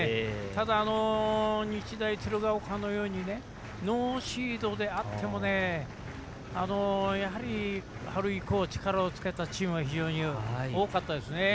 ただ、日大鶴ヶ丘のようにノーシードでやはり、春以降力をつけたチーム多かったですね。